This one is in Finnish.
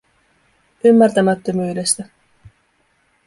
Ymmärtämättömyydestä.